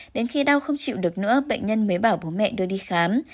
đến khi đau không chịu được nữa bệnh nhân mới bảo bố mẹ đưa đi khám